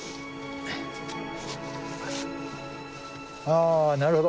あなるほど。